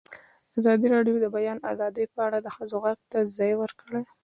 ازادي راډیو د د بیان آزادي په اړه د ښځو غږ ته ځای ورکړی.